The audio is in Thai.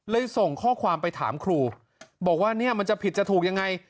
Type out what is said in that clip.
ส่งข้อความไปถามครูบอกว่าเนี่ยมันจะผิดจะถูกยังไง